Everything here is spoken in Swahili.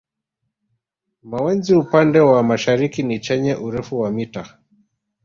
Mawenzi upande wa mashariki ni chenye urefu wa mita